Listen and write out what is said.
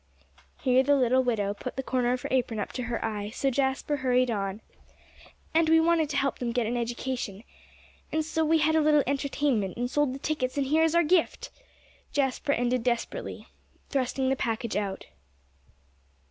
Here the little widow put the corner of her apron up to her eye, so Jasper hurried on: "And we wanted to help them to get an education. And so we had a little entertainment, and sold the tickets and here is our gift!" Jasper ended desperately, thrusting the package out.